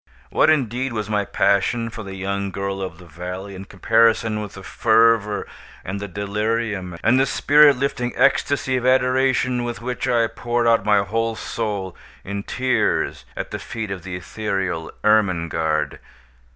What, indeed, was my passion for the young girl of the valley in comparison with the fervor, and the delirium, and the spirit lifting ecstasy of adoration with which I poured out my whole soul in tears at the feet of the ethereal Ermengarde?